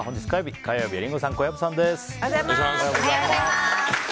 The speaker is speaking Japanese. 本日火曜日、火曜日はリンゴさん、小籔さんです。